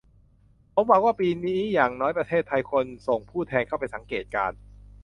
ผมหวังว่าปีนี้อย่างน้อยประเทศไทยควรส่งผู้แทนเข้าไปสังเกตุการณ์